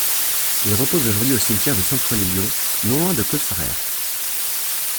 Il repose aujourd’hui au cimetière de Sainte-Foy-lès-Lyon, non loin de Claude Farrère.